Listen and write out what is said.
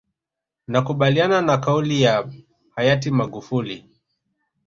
Nakubaliana na kauli ya hayati Magufuli